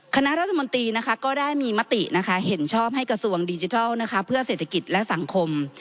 คณะรัฐมนตรีก็ได้มีมติเห็นชอบให้กระทรวงดิจิทัลเพื่อเศรษฐกิจและสังคม